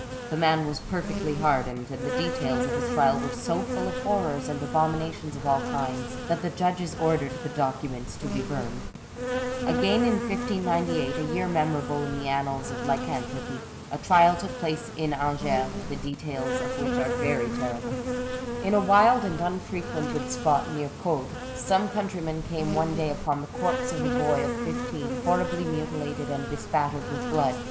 The man was perfectly hardened, and the details of his trial were so full of horrors and abominations of all kinds, that the judges ordered the documents to be burned. Again in 1598, a year memorable in the annals of lycanthropy, a trial took place in Angers, the details of which are very terrible. In a wild and unfrequented spot near Caude, some countryman came one day upon the corpse of a boy of fifteen, horribly mutilated and bespattered with blood.